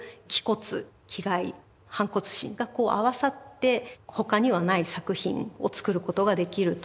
気概反骨心がこう合わさって他にはない作品を作ることができるという。